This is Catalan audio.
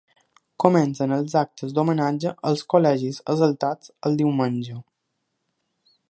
Comencen els actes d’homenatge als col·legis assaltats el diumenge.